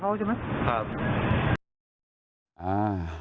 ครับ